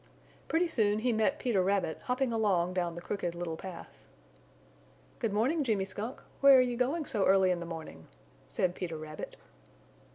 Pretty soon he met Peter Rabbit hopping along down the Crooked Little Path. "Good morning, Jimmy Skunk, where are you going so early in the morning?" said Peter Rabbit.